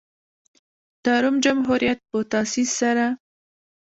د روم جمهوریت په تاسیس سره.